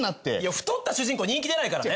太った主人公人気出ないからね！